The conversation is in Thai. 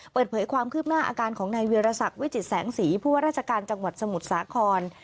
เปิดเผยความคืบหน้าอาการของนายเวียรสักวิจิตแสงสีผู้ว่าราชการจังหวัดสมุทรสาคร